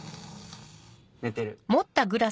寝てる。